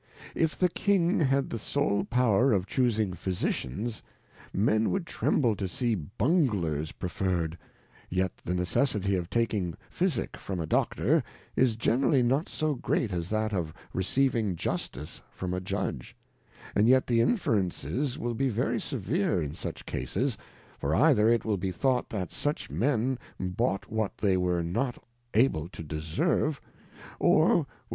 If the King had the sole power of chusing Physicians, Men would tremble to see Bunglers preferred, yet the necessity of taking Physick from a Doctor, is generally not so great as that of receiving Justice from a Judge ; and yet the Inferences will be very severe in such cases, for either it will be thought that such Men bought what they were not able to deserve, or which ;■ is , of a Trimmer.